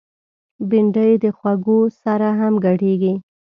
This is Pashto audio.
بېنډۍ د خوږو سره هم ګډیږي